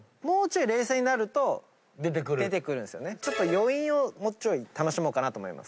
余韻をもうちょい楽しもうかなと思います。